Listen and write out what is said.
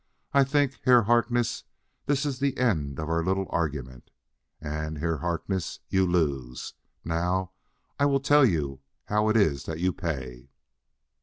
"I think, Herr Harkness, this is the end of our little argument and, Herr Harkness, you lose. Now, I will tell you how it iss that you pay.